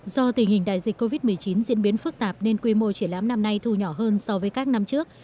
do tình hình đại dịch covid một mươi chín diễn biến phức tạp nên quy mô triển lãm năm nay thu nhỏ hơn so với các năm trước